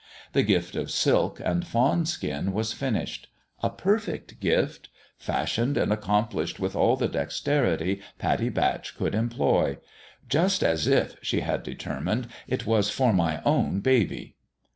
The gift of silk and fawn skin was finished. A perfect gift : fashioned and accomplished with all the dex terity Pattie Batch could employ. " Just as if,' 1 she had determined, " it was for my own baby."